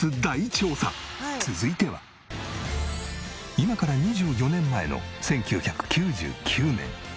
今から２４年前の１９９９年。